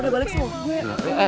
udah balik semua